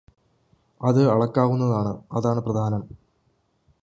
അത് അളക്കാവുന്നതാണ് അതാണ് പ്രധാനം